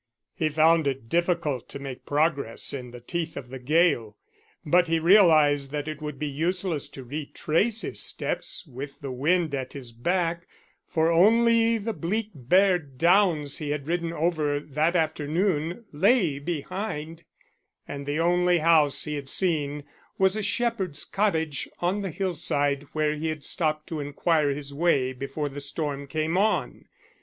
He found it difficult to make progress in the teeth of the gale, but he realized that it would be useless to retrace his steps with the wind at his back, for only the bleak bare downs he had ridden over that afternoon lay behind, and the only house he had seen was a shepherd's cottage on the hill side where he had stopped to inquire his way before the storm came on.